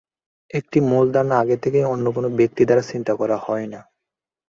একটি মূল ধারণা আগে থেকে অন্য কোন ব্যক্তি দ্বারা চিন্তা করা হয় না।